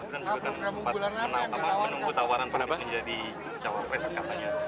dan juga kan sempat menunggu tawaran penelitian jadi jawab res katanya